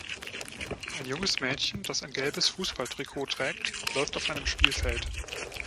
Ein junges Mädchen, das ein gelbes Fußballtrikot trägt, läuft auf einem Spielfeld.